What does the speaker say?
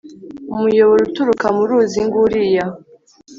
umuyoboro uturuka mu ruzi nguriya